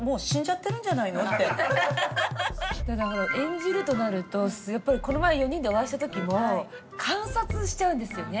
演じるとなるとやっぱりこの前４人でお会いした時も観察しちゃうんですよね。